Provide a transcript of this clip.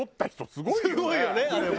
すごいよねあれ。